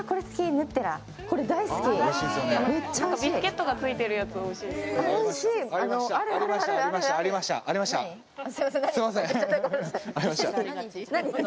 ビスケットがついているやつ、おいしいですよね。